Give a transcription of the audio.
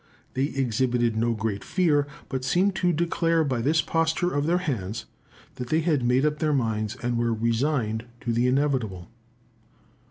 They exhibited no great fear, but seemed to declare by this posture of their hands, that they had made up their minds, and were resigned to the inevitable.